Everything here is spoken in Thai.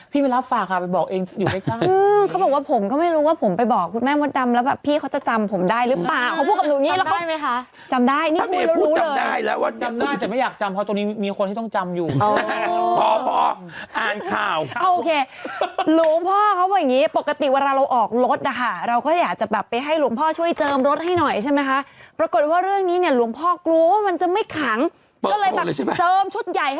มีผู้เข้ามาชมจำนวนมากนะคะแล้วก็คอมเมนต์กันสนานอาทิ